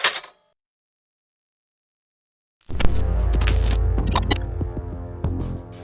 ดีขอบคุณทุกคน